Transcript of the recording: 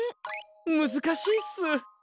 むずかしいっす。